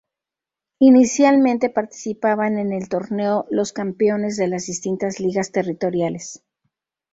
Inicialmente participaban en el torneo los campeones de las distintas ligas territoriales.